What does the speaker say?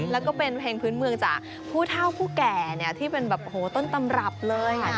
แล้วก็เป็นเพลงพื้นเมืองจากผู้เท่าผู้แก่ที่เป็นแบบต้นตำรับเลย